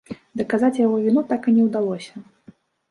Даказаць яго віну так і не ўдалося.